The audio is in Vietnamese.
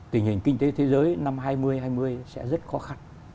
tình hình kinh tế thế giới năm hai nghìn hai mươi sẽ rất khó khăn